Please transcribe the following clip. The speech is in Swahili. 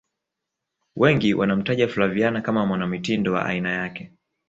wengi wanamtaja flaviana kama mwanamitindo wa aina yake